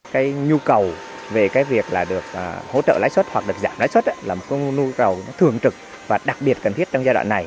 cái nhu cầu về cái việc là được hỗ trợ lái xuất hoặc được giảm lái xuất là một nhu cầu thường trực và đặc biệt cần thiết trong giai đoạn này